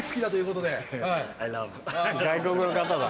外国の方だ。